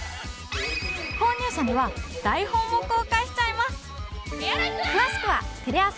購入者には台本も公開しちゃいます！